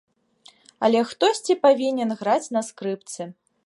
Але хтосьці павінен граць на скрыпцы.